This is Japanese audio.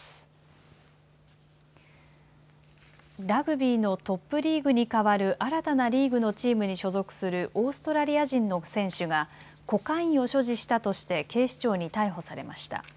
ラグビーのトップリーグに代わる新たなリーグのチームに所属するオーストラリア人の選手がコカインを所持したとして警視庁に逮捕されました。